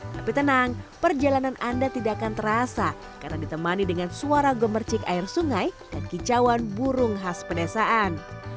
tapi tenang perjalanan anda tidak akan terasa karena ditemani dengan suara gemercik air sungai dan kicauan burung khas pedesaan